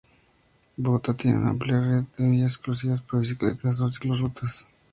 Bogotá tiene una amplia red de vías exclusivas para bicicletas, o ciclo-rutas.